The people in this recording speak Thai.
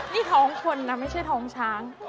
นี่ท้องคนนะไม่ใช่ท้องช้าง